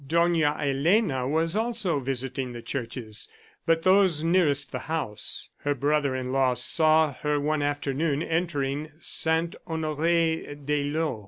Dona Elena was also visiting the churches, but those nearest the house. Her brother in law saw her one afternoon entering Saint Honoree d'Eylau.